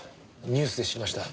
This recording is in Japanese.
ニュースで知りました。